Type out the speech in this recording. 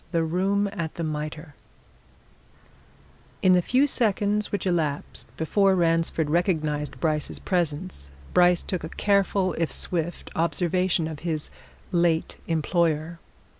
THE ROOM AT THE MITRE In the few seconds which elapsed before Ransford recognized Bryce's presence, Bryce took a careful, if swift, observation of his late employer.